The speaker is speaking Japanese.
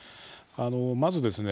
まずですね